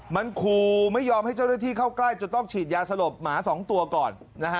มันคูไม่ยอมให้เจ้าหน้าที่เข้าใกล้จนต้องฉีดยาสลบหมา๒ตัวก่อน